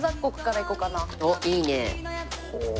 おっいいね。